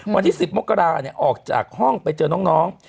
วันที่๑๐มกราออกจากห้องไปเจอน้อง